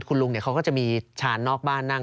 คุณลุงเขาก็จะมีชานนอกบ้านนั่ง